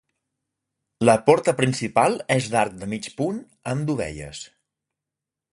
La porta principal és d'arc de mig punt amb dovelles.